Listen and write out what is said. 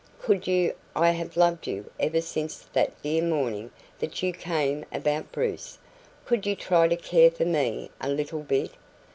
Could you I have loved you ever since that dear morning that you came about Bruce could you try to care for me a little bit?